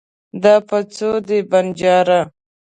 دا په څو دی ؟ بنجاره